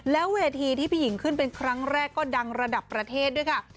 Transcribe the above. แล้วเวทีที่พี่หญิงขึ้นเป็นครั้งแรกก็ดังระดับประเทศด้วยค่ะ